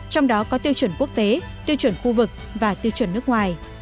trong đó có tiêu chuẩn quốc tế tiêu chuẩn khu vực và tiêu chuẩn nước ngoài